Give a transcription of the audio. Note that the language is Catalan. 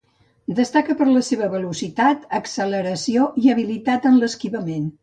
Destaca per la seva velocitat, acceleració i habilitat en l'esquivament.